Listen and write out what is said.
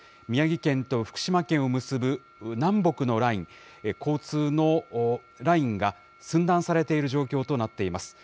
宮城県と福島県を結ぶ南北のライン、交通のラインが、寸断されている状況となっています。